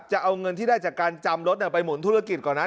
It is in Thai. จะเอาเงินที่ได้จากการจำรถไปหมุนธุรกิจก่อนนะ